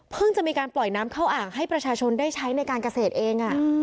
จะมีการปล่อยน้ำเข้าอ่างให้ประชาชนได้ใช้ในการเกษตรเอง